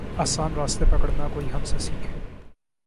آسان راستے پکڑنا کوئی ہم سے سیکھے۔